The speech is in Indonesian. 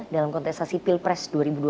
dalam konteksasi pilpres dua ribu dua puluh empat